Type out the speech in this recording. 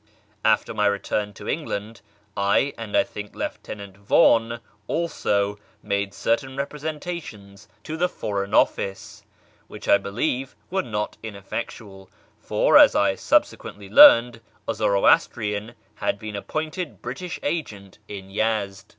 After my return to England I, and I think Lieutenant Vaughan also, made certain representa tions to the Foreign Office, which I believe were not ineffectual ; for, as I subsequently learned, a Zoroastrian had been ap )ointed British Agent in Yezd.